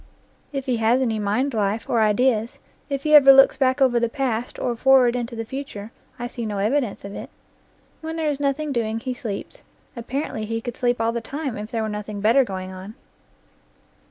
If he has any mind life, and ideas, if he ever looks back over the past, or forward into the future, I see no evidence of it. When there is nothing doing he sleeps; apparently he could sleep all the time, if there were nothing better going on.